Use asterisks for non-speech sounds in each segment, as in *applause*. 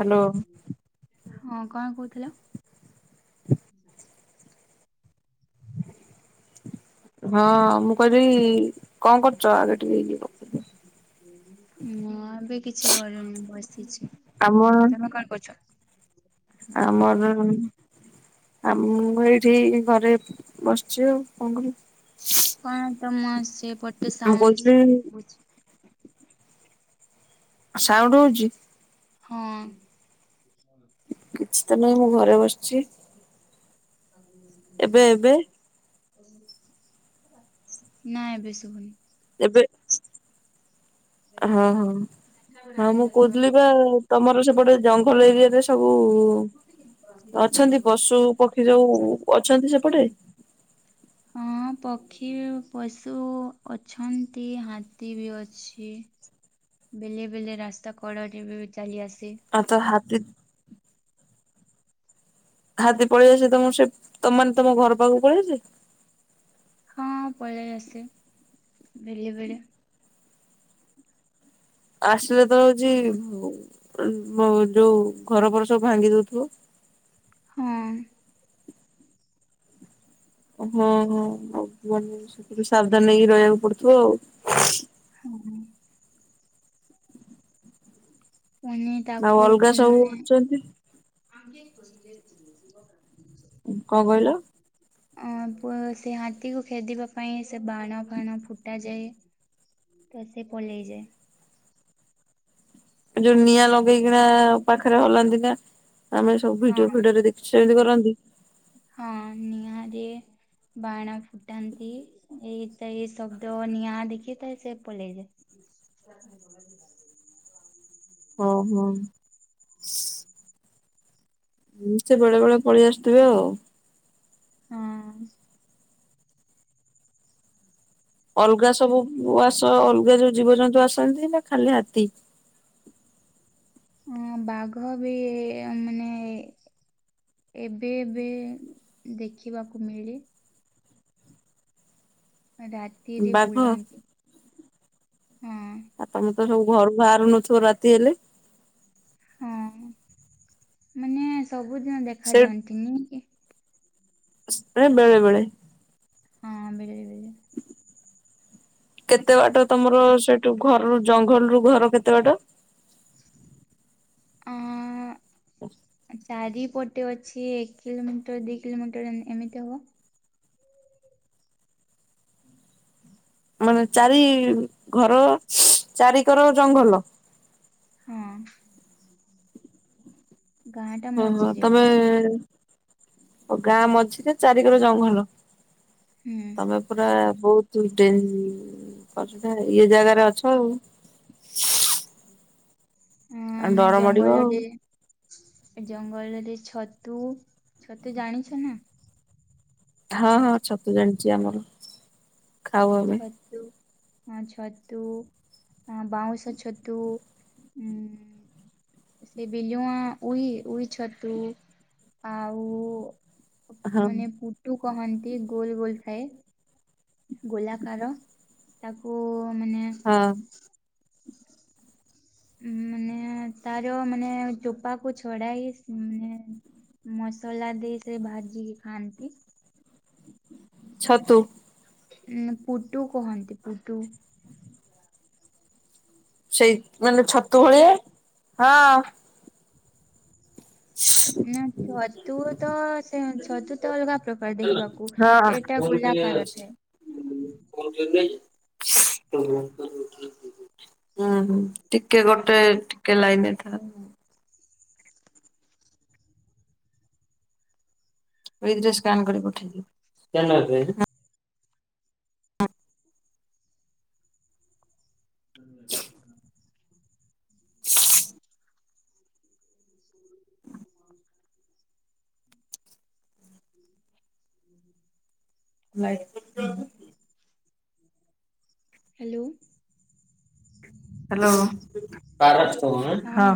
Hello ହଁ କଣ କହୁଥିଲ? ହଁ ମୁଁ କହିଲି କଣ କରୁଛ ଆଗ ଟିକେ ଇଏ କ *unintelligible* ନା ଏବେ କିଛି କରିନି ବସିଛି। କାମ କଣ କରୁଛ? ଆମର ଆମ ଏଇଠି ଘରେ ବସିଛି ଆଉ କଣ କରିବୁ। କଣ ତମ ସେପଟେ ସାଉଣ୍ଡ କହୁଥିଲି ଶୁବୁଛି? ସାଉଣ୍ଡ ହଉଛି ହଁ। କିଛି ତ ନାହିଁ ମୁଁ ଘରେ ବସିଛି। ଏବେ ଏବେ ନା ଏବେ ଶୁଭୁନି। ଏବେ ହଁ ହଁ। ହଁ ମୁଁ କହୁଥିଲି ବା ତମର ସେପଟେ ଜଙ୍ଗଲ ଏରିଆ ରେ ସବୁ ଅଛନ୍ତି ପଶୁ ପକ୍ଷୀ ଯୋଉ ଅଛନ୍ତି ସେପଟେ? ହଁ। ପକ୍ଷୀ ପଶୁ ଅଛନ୍ତି ହାତୀ ବି ଅଛି। ବେଲେ ବେଲେ ରାସ୍ତା କଡ଼ରେ ବି ଚାଲି ଆସେ। ମର ତ ହାତୀ ହାତୀ ପଳେଇଆସେ ତମର ସେ ମାନେ ତମ ଘର ପାଖକୁ ପଳେଇଆସେ? ହଁ ପଳେଇଆସେ ବେଲେ ବେଳେ। ଆସିଲେ ତ ହୋଉଛି ଯୋଉ ଘରଫର ସବୁ ଭାଙ୍ଗି ଦୋଉଥିବ। ହଁ। ହଁ ହଁ ଆଉ ସେଥିରୁ ସାବଧାନ ନେଇକି ରହିବାକୁ ପଡୁଥିବ ଆଉ। ହୁଁ ହୁଁ। ଉ ଆଉ ତାକୁ ଅଲଗା ସବୁ ମାନେ ଅଛନ୍ତି କଣ କହିଲ? ଅ ପ ସେ ହାତୀକୁ ଖେଦିବା ପାଇଁ ସେ ବାଣ ଫାଣ ଫୁଟାଯାଏ। ତ ସେ ପଳେଇଯାଏ। ଯୋଉ ନିଆଁ ଲଗେଇକିନା ପାଖରେ ହଲାନ୍ତି ନା, ଆମେ ସବୁ ହଁ ଭିଡିଓ ଫିଡିଓ ରେ ଦେ ସେମିତି କରନ୍ତି। ହଁ ନିଆଁରେ ବାଣ ଫୁଟାନ୍ତି। ଏଇ ତ ଏଇ ଶବ୍ଦ ନିଆଁ ଦେଖିକି ତ ସେ ପଳେଇଯାଏ। ହଁ ହଁ। ସେ ବେଳେ ବେଳେ ପଳେଇ ଆସୁଥିବେ ଆଉ। ହଁ ଅଁ। ଅଲଗା ସବୁ ଆସ ଅଲଗା ଯୋଉ ଜୀବଜନ୍ତୁ ଆସନ୍ତି ନା ଖାଲି ହାତୀ? ବାଘ ବି ମାନେ ଏବେ ଏବେ ଦେଖିବାକୁ ମିଳେ। ରାତିରେ ବାଘ? ବୁଲନ୍ତି, ହଁ। ଆପଣ ତ ସବୁ ଘରୁ ବାହାରୁ ନଥିବେ ରାତି ହେଲେ? ହଁ, ମାନେ ସବୁଦିନ ସେ ଦେଖାଯାନ୍ତି, ନାଇଁ କି? ଏ ବେଳେବେଳେ। ହଁ ବେଳେବେଳେ। କେତେ ବାଟ ତମର ସେଇଠୁ ଘରରୁ ଜଙ୍ଗଲ ରୁ ଘର କେତେ ବାଟ? ଆ *unintelligible* ଚାରିପଟେ ଅଛି ଏକ କିଲୋମିଟର ଦି କିଲୋମିଟର ଏମିତି ହବ। ମାନେ ଚାରି ଘର ଚାରିକର ଜଙ୍ଗଲ। ହଁ ଅଁ। ଓହୋ, ତମେ ଗାଁ ମଝିରେ ଚାରିକର ଜଙ୍ଗଲ। ହୁଁ ଉଁ। ତମେ ପୁରା ବହୁତ ଡ କର ଇଏ ଜାଗାରେ ଅଛ ଆଉ। ହଁ, ଆଉ ଆମେ ଡର ମାଡିବ ଆଉ ଜଙ୍ଗଲରେ ଜଙ୍ଗଲରେ ଟିକେ ଛତୁ, ଛତୁ ଜାଣିଛ ନା? ହଁ ହଁ ଛତୁ ଜାଣିଛି ଆମର, ଖାଉ ଆ ଛତୁ, ହଁ ଛତୁ ହ ବାଉଁଶ ଛତୁ ଉ ସେ ବିଲୁଆ ଉଇ ଉଇ ଛତୁ, ଆଉ ହଁ। ମାନେ ପୁଟୁ କହନ୍ତି, ଗୋଲ ଗୋଲ ଥାଏ। ଗୋଲାକାର, ତାକୁ ମାନେ ହଁ ଅଁ ଉ ମାନେ ତାର ମାନେ ଟୋପାକୁ ଛଡ଼ାଇ, ମାନେ ମସଲା ଦେଇ କି ଭାଜିକି ଖାଆନ୍ତି। ଛତୁ ଉଁ, ପୁଟୁ କୁହନ୍ତି ପୁଟୁ ସେଇ ମାନେ ଛତୁ ଭଳିଆ, ହଁ। ନା ଛତୁ ତ ସେ ଛତୁ ତ ଅଲଗା ପ୍ରକାର ଦେଖିବାକୁ। ହଁ। ଏଇଟା ଗୋଲାକାର ଥାଏ। *unintelligible* ହୁଁ, ହୁଁ, ଟିକେ ଗୋଟେ, ଟିକେ ଲାଇନରେ ଥା। ଏଇ ଜଷ୍ଟ ସ୍କାନ କରିକି ପଠେଇଲି। *unintelligible* *inaudible* ହୁଁ। ଲାଇ *unintelligible* ହାଲୋ। *inaudible* ହାଲୋ ହଁ।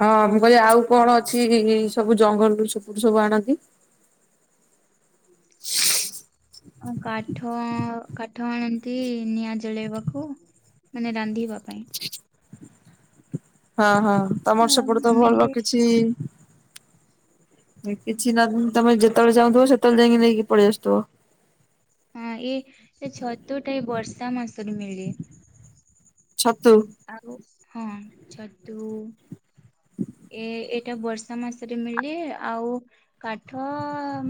ହଁ ମୁଁ କହିଲି ଆଉ କଣ ଅଛି ସବୁ ଜଙ୍ଗଲରୁ ସେପଟୁ ସବୁ ଆଣନ୍ତି? *inaudible* ହଁ କାଠ ଆଉ କାଠ ଆଣନ୍ତି ନିଆଁ ଜଳେଇବାକୁ। ମାନେ ରାନ୍ଧିବା ପାଇଁ। ହଁ ହଁ ତମର ଆଉ ସେପଟ ତ ଭଲ ମିଲେ କିଛି କିଛି ନା ତମେ ଯେତେବେଳେ ଚାହୁଥିବ ସେତେବେଳେ ଯାଇକି ନେଇକି ପଳେଇ ଆସୁଥିବ। ହଁ ଏ ସେ ଛତୁଟା ଏ ବର୍ଷା ମାସରେ ମିଳେ। ଛତୁ। ଆଉ ହଁ ଛତୁ ଏ ଏଇଟା ବର୍ଷା ମାସରେ ମିଳେ ଆଉ କାଠ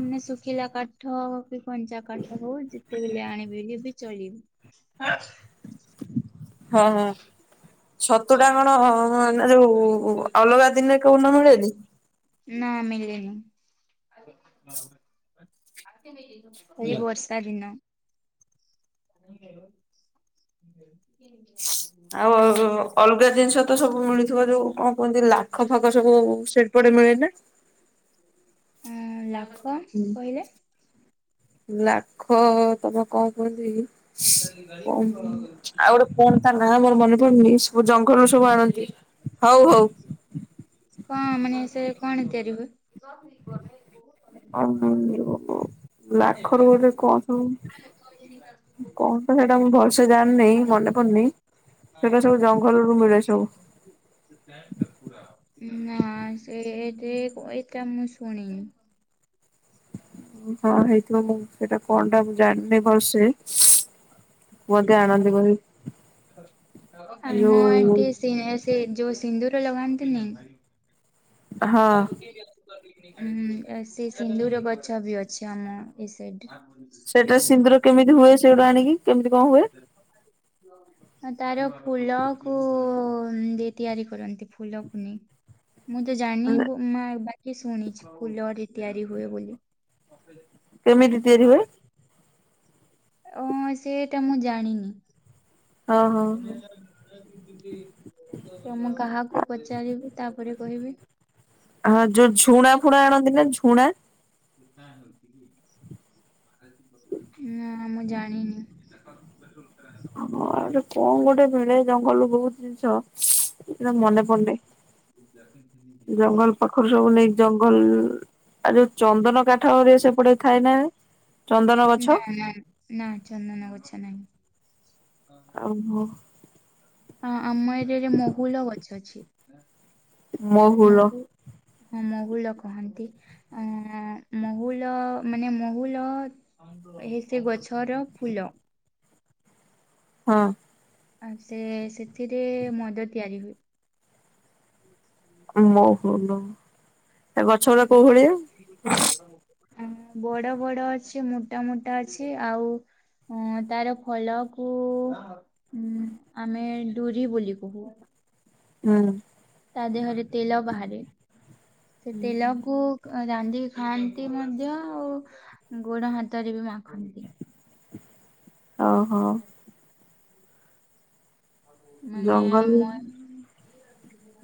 ମାନେ ଶୁଖିଲା କାଠ କି କଞ୍ଚା କାଠ ହଉ। ଯେତେବେଲେ ଆଣିବି ଲେ ବି ଚଳିବି। ହଁ ହଁ ଛତୁ ଟା କଣ ମରୁ ଯୋଉ ଅଲଗା ଦିନରେ କଉନା ମିଳେନି? ନା ମିିଲନି ଏଇ ବର୍ ସରି ନ *inaudible* ଆଉ ଅଲଗା ଜିନିଷ ତ ସବୁ ମିଳିଥିବ ଯୋଉ କଣ କୁହନ୍ତି ଲାଖ ଫାଖ ସବୁ ସେପଟେ ମିଳେ ନା? ହଁ ଲାଖ ହୁଁ। କହିଲେ? ଲାଖ ତମର କଣ କୁହନ୍ତି କ ଆଉ ଗୋଟେ କଣ ତା ନା ମୋର ମନେ ପଡୁନି, ସବୁ ଜଙ୍ଗଲରୁ ସବୁ ଆଣନ୍ତି ହଉ ହଉ। କଣ ମାନେ ସେ କଣ ତିଆରି ହୁଏ? ହ ଯଉ ଲାଖରୁ ଗୋଟେ କଣ ସବୁ କଣ ତ ସେଇଟା ମୁଁ ଭଲସେ ଜାଣିିନହିଁ, ମନେ ପଡନି ସେଇଟା ସବୁ ଜଙ୍ଗଲରୁୁ ମିଳେ ସବୁ। *unintelligible* ନା ସେ ଏଇଟା କଇଟା ମୁଁ ଶୁଣିନି। ହଁ ହେଇଥିବ ମୁଁ ସେଇଟା କଣଟା ମୁଁ ଜାଣିନି ଭଲ ସେ। ମଧ୍ୟ ଆଣନ୍ତି ବୋଲି ଆମ ଯୋଉ ଏଠି ସିଏ ସେ ଯୋଉ ସିନ୍ଦୁର ଲଗାନ୍ତିନି ହଁ *unintelligible* ହଁ ସେ ସିନ୍ଦୁର ଗଛ ବି ଅଛି ଆମ ଏ ସାଇଡରେ। ସେଇଟା ସିନ୍ଦୁର କେମିତି ହୁଏ, ସେଇଟୁ ଆଣିକି କେମିତି କଣ ହୁଏ? *inaudible* ହ ତାର ଫୁଲ କୁ ଦେ ତିଆରି କରନ୍ତି ଫୁଲକୁ ନେଇ *inaudible* ମୁଁ ତ ଜାଣିନି ମା ବାକି ଶୁଣିଛି ଫୁଲରେ ତିଆରି ହୁଏ ବୋଲି। କେମିତି ତିଆରି ହୁଏ? ଅ ସେଇଟା ମୁଁ ଜାଣିନି? ହଁ ହଁ ହଁ। ତ ମୁଁ କାହାକୁ ପଚାରିବି ତାପରେ କହିବି। ହଁ ଯୋଉ ଝୁଣା ଫୁଣା ଆଣନ୍ତି ନା ଝୁଣା? *inaudible* ନା ମୁଁ ଜାଣିନି। ଆମ ଆଡ଼େ କଣ ଗୋଟେ ମିଳେ ଜଙ୍ଗଲରୁ ବହୁତ ଜିନିଷ ସେଟା ମନେ ପଡୁନି। ଜଙ୍ଗଲ ପାଖର ସବୁ ନେଇକି ଜଙ୍ଗଲ ଆଉ ଯୋଉ ଚନ୍ଦନ କାଠରେ ସେପଟେ ଥାଏ ନା ଚନ୍ଦନ ନା ଗଛ? ନା ନା ଚନ୍ଦନ ଗଛ ନାହିଁ। ଆଉ ହଁ। ହଁ ଆମ ଏରିଆରେ ମହୁଲ ଗଛ ଅଛି। ମହୁଲ ମହୁ ହଁ ମହୁଲ କହନ୍ତି। ଅଁ ମହୁଲ ମାନେ ମହୁଲ ହେ ସେ ଗଛର ଫୁଲ। ହଁ। ଆଉ ସେ ସେଥିରେ ମଦ ତିଆରି ହୁଏ। ମହୁଲ ତା ଗଛ ଗୁଡା କୋଉ ଭଳିଆ? ବଡ ବଡ ଅଛି, ମୋଟା ମୋଟା ଅଛି, ଆଉ ହଁ ତାର ଫଳକୁ ହୁଁ ଆମେ ଡୁରି ବୋଲି କହୁ। ହଁ। ତା ଦେହରେ ତେଲ ବାହାରେ। ସେ ତେଲକୁ ରାନ୍ଧିକି ଖାଆନ୍ତି ମଧ୍ୟ ଆଉ ଗୋଡ ହାତରେ ବି ମାଖନ୍ତି। ଓ ହୋ। ମାନେ ଜଙ୍ଗଲ ମ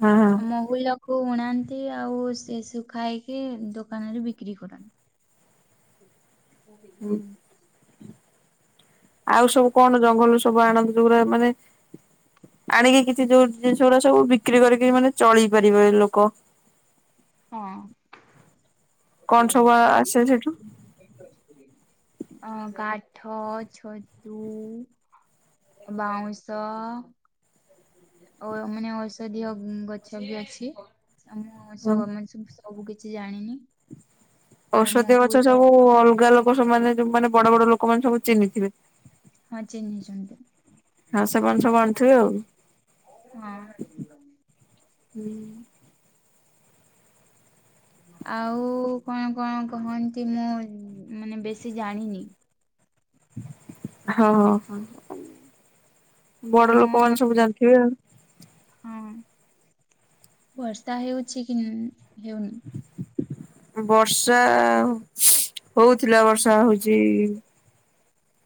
ହଁ ହଁ ମହୁଲ କୁ ଅଣାନ୍ତି ଆଉ ସେ ସୁଖାଇକି ଦୋକାନରେ ବିକ୍ରି କରନ୍ତି। ହୁଁ। ଆଉ ସବୁ କଣ ଜଙ୍ଗଲ ସବୁ ଆଣନ୍ତି? ଯୋଗୁରା ମାନେ ଆଣିକି କିଛି ଯୋଉ ଜିନିଷ ଗୁଡା ସବୁ ବିକ୍ରି କରିକି ମାନେ ଚଳେଇ ପାରିବେ ଲୋକ? ହଁ। କଣ ତ ମୁ ସବୁ ବ ଆସେ ସେଠୁ *unintelligible* ଆଁ କାଠ ଛତୁ ବାଉଁଶ ଓ ମାନେ ଔଷଧୀୟ ଗଛ ବି ଅଛି ଆମ ତ ସବୁ କିଛି ଜାଣିନି? ଆଉ ଔଷଧ ଗଛ ମହୁଲ ସବୁ ଅଲଗା ଲୋକ ସବୁମାନେ ଯୋଉ ମାନେ ବଡ ବଡ ଲୋକ- ଲୋକମାନେ ଚିହ୍ନିଥିବେ? ହଁ ଚିହ୍ନିଛନ୍ତି ହଁ ସେମାନେ ସବୁ ଆଣୁଥିବେ ଆଉ? ହଁ। ହୁଁ। ଆଉ କଣ କଣ କହନ୍ତି, ମୁଁ ମାନେ ବେଶୀ ଜାଣିନି? ହଁ ହଁ ବଡ ତମ ଲୋକମାନେ ସବୁ ଜାଣିଥିବେ ଆଉ। ହଁ। ବର୍ଷା ହେଉଛି କି ହେଉନି? ବର୍ଷା ହଉଥିଲା ବର୍ଷା ହଉଛି। ଆଜି ଇ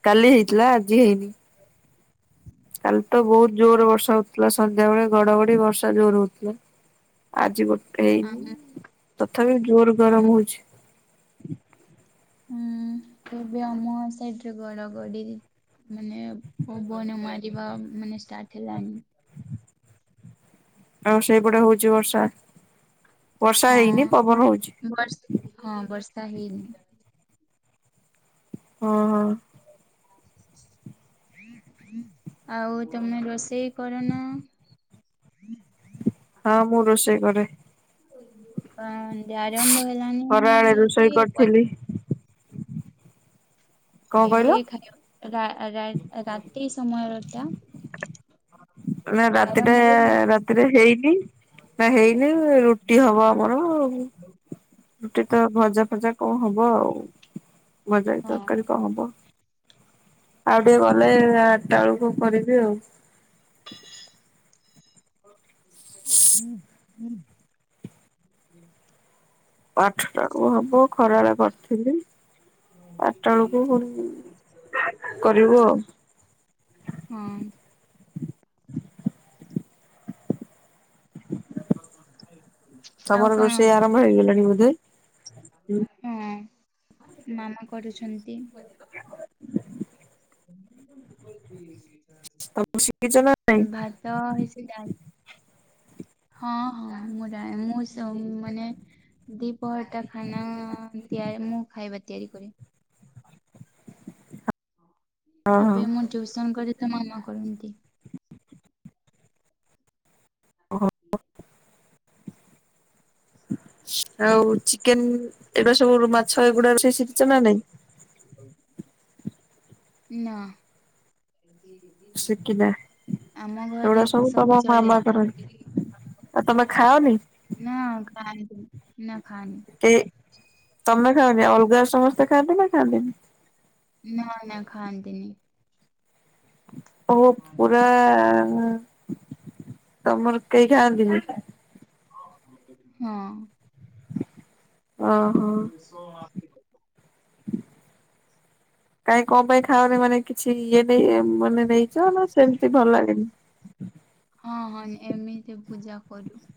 କାଲି ହେଇଥିଲା ଆଜି ହେଇନି। କାଲି ତ ବହୁତ ଜୋର ବର୍ଷା ହଉଥିଲା ସନ୍ଧ୍ୟା ବେଳେ ଘଡଘଡି ବର୍ଷା ଜୋର ହଉଥିଲା ଆଜି ଗୋଟେ ଆମ ହେଇନି ତଥାପି ଜୋର ଗରମ ଆମ ହଉଛି। ହୁଁ କେବେ ଆମ ସାଇଡରେ ଗଡ ଗଡି ମାନେ ବନ ମାରିବା ମାନେ ଷ୍ଟାର୍ଟ ହେଲାଣି। ଆଉ ସେଇପଟେ ହଉଛି ବର୍ଷା ବର୍ଷା ହେଇନି ପବନ ହଁ ହଉଛି। ବର୍ଷ ହଁ ବର୍ଷା ହେଇନି ହଁ ହଁ। ଆଉ ତମର ରୋଷେଇ କରନ ହଁ ମୁଁ ରୋଷେଇ କରେ। ହ ଆରମ୍ଭ ହେଲାନି ଖରାବେଳେ ରୋଷେଇ କି କରିଥିଲି କଣ କହିଲ? ଏବେ ଖାଇବା ରା-ରା-ରାତି ସମୟଟା ନା ରାତିଟା ଆରମ୍ଭ ହେଇଗଲା ରାତିରେ ହେଇନି। ନା ହେଇନି ରୁଟି ହବ ଆମର ଆଉ। ରୁଟି ତ ଭଜା ଫଜା କଣ ହବ ଆଉ। ଭଜା କି ହଁ ତରକାରୀ କଣ ହବ। ଆଉ ଟିକେ ଗଲେ ଆଟା ବେଳକୁ କରିବି ଆଉ। ହୁଁ ହୁଁ। ହୁଁ ଆଠଟା କୁ ହବ ଖରାଏଳେ କରିଥିଲି। ଆଠଟା ବେଳକୁ କରିବୁ ଆଉ। ହଁ। ଆଉ କଣ କୁହ? ଦେଲାଣି ବୋଧେ? ହଁ ମାମା କରୁଛନ୍ତି। ତମେ ଶିଖିଛ ନା ନାଇଁ ଭା ତ ହେଇ ସାଇଲାଣି। ହଁ ହଁ ମୁଁ ଯାଇ ମୁଁ ସୋମ ଦିପହର ଟା ଖାନା ଏମିତିଆ ମୁଁ ଖାଇବା ତିଆରି କରେ। ହଁ ଏବେ ମୁଁ ଟ୍ୟଉସନ କରେ ତ ମାମା କରନ୍ତି। ହଁ। ଆଉ ଚିକେନ୍ ଏଗୁଡା ସବୁ ମାଛ ଏଗୁଡା ସବୁ ଶିଖି ଛନା ନାଇଁ? ନା। ଶିଖିନା ଆମ ଏଗୁଡା ଘରେ ସେ ତମ ସବୁ ଚଳେ। ଖାଓନି? ନା ଖାନ୍ତିନି। ନା ଖାନି। ଏ ତମେ ଖାଓନି, ଅଲଗା ସମସ୍ତେ ଖାଆନ୍ତି ନା ଖାଆନ୍ତିନି? ନା ନା ଖାଆନ୍ତିନି। ଓ ପୁରା ତମର କେହି ଖାଆନ୍ତିନି? ହଁ। ଓ। *unintelligible* କାହିଁ କଣ ପାଇଁ ଖାଓନି, ମାନେ କିଛି ଇଏ ନେଇ ମାନେ ନେଇଛ ନା ସେମିତି ଭଲ ଲାଗେନି? ହଁ ହଁ, ଏମିତି ପୂଜା କରୁ।